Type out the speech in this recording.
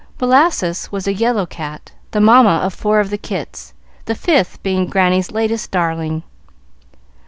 Molasses was a yellow cat, the mamma of four of the kits, the fifth being Granny's latest darling.